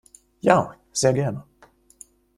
Ja, sehr gerne.